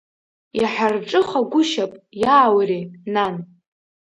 Иҳарҿыхагәышьап, иааури, нан.